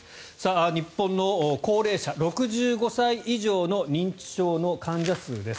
日本の高齢者、６５歳以上の認知症の患者数です。